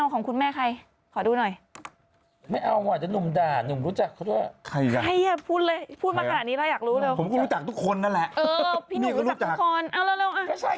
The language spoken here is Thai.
คนที่คุณแม่พูดคือใครขอดูหน่อย